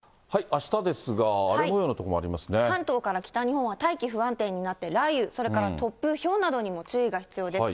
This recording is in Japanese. あしたですが、関東から北日本は大気不安定になって、雷雨、それから突風、ひょうなどにも注意が必要です。